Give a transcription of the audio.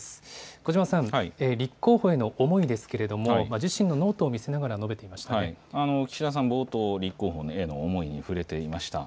小嶋さん、立候補への思いですけれども、自身のノートを見せなが岸田さん、冒頭、立候補への思いに触れていました。